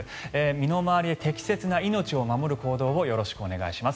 身の回り、適切な命を守る行動をよろしくお願いします。